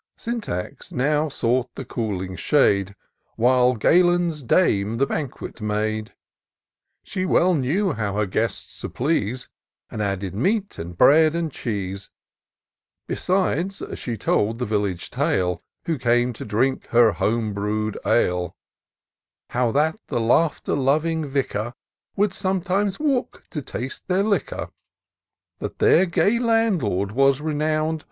Syntax now sought the cooling shade, While Galen's dame the banquet made : She well knew how her guests to please. And added meat, and bread, and cheese : Besides, she told the village tale — Who came to drink her home brew'd ale ; How that the laughter loving Vicar Would sometimes walk to taste their liquor That their gay landlord was renown'd.